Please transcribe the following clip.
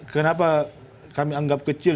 kenapa kami anggap kecil